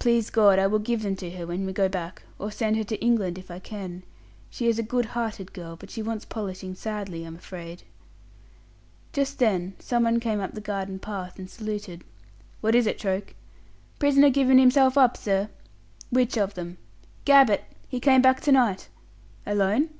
Please God, I will give them to her when we go back or send her to England if I can. She is a good hearted girl, but she wants polishing sadly, I'm afraid." Just then someone came up the garden path and saluted. "What is it, Troke?" "Prisoner given himself up, sir." "Which of them?" "Gabbett. He came back to night." "Alone?"